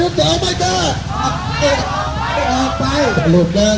ออกไปออกไปออกไป